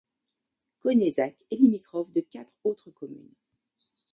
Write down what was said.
Connezac est limitrophe de quatre autres communes.